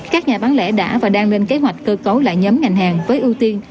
các nhà bán lẻ đã và đang lên kế hoạch cơ cấu lại nhóm ngành hàng với ưu tiên